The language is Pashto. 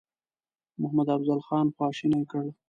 محمدافضل خان خواشینی کړ.